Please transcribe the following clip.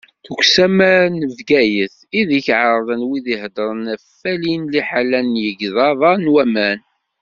Deg usamar n Bgayet, ideg ɛerḍen wid iḥeḍren ad walin liḥala n yigḍaḍ-a n waman.